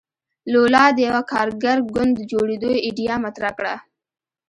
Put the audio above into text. لولا د یوه کارګر ګوند د جوړېدو ایډیا مطرح کړه.